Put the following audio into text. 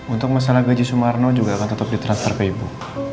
untuk masalah gaji sumarno juga akan tetap ditransfer ke ibu